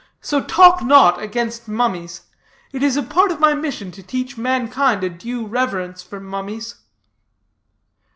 So talk not against mummies. It is a part of my mission to teach mankind a due reverence for mummies."